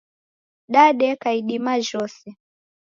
Dadeka idima jhose.